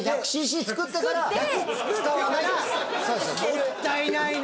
もったいないな！